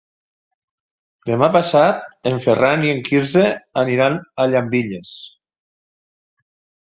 Demà passat en Ferran i en Quirze aniran a Llambilles.